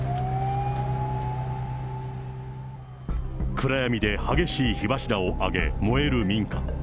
暗闇で激しい火柱を上げ、燃える民家。